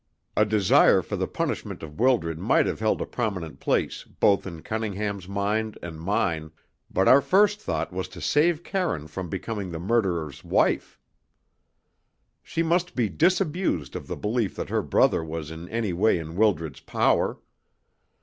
A desire for the punishment of Wildred might have held a prominent place both in Cunningham's mind and mine, but our first thought was to save Karine from becoming the murderer's wife. She must be disabused of the belief that her brother was in any way in Wildred's power.